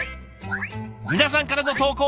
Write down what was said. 皆さんからの投稿